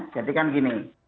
jadi kan gini